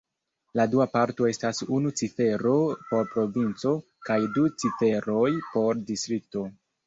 La dua parto estas unu cifero por provinco kaj du ciferoj por distrikto.